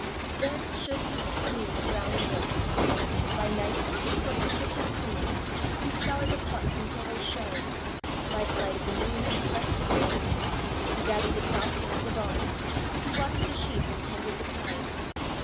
Then should you have seen the Brownie work! By night he swept the kitchen clean. He scoured the pots until they shone. By the light of the moon he threshed the grain. He gathered the crops into the barn. He watched the sheep and tended the kine.